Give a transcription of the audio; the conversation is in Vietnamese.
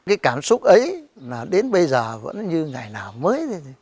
cái cảm xúc ấy là đến bây giờ vẫn như ngày nào mới